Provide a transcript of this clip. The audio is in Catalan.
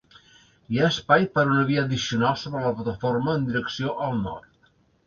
Hi ha espai per a una via addicional sota la plataforma en direcció al nord.